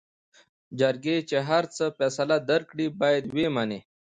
جرګې چې هر څه فيصله درکړې بايد وې منې.